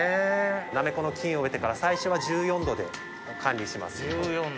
なめこの菌を植えてから最初は１４℃で管理します。